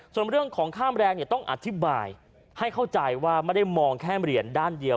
ส่วนเรื่องของค่าแรงเนี่ยต้องอธิบายให้เข้าใจว่าไม่ได้มองแค่เหรียญด้านเดียว